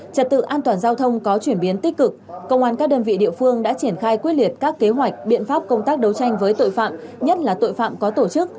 công an các đơn vị địa phương đã triển khai quyết liệt các kế hoạch biện pháp công tác đấu tranh với tội phạm nhất là tội phạm có tổ chức